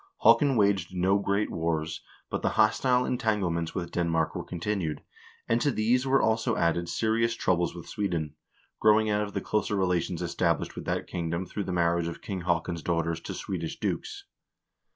1 Haakon waged no great wars, but the hostile entanglements with Denmark were continued, and to these were also added serious trou bles with Sweden, growing out of the closer relations established with that kingdom through the marriage of King Haakon's daughters to Swedish dukes.